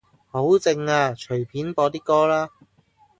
好靜呀，隨便播啲歌啦